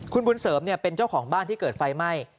คุณบุญเสริมเป็นเจ้าของบ้านที่เกิดไฟไหม้